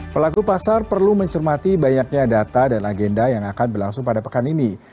pelaku pasar perlu mencermati banyaknya data dan agenda yang akan berlangsung pada pekan ini